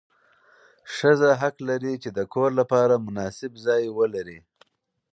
ښځه حق لري چې د کور لپاره مناسب ځای ولري.